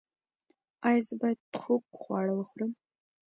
ایا زه باید خوږ خواړه وخورم؟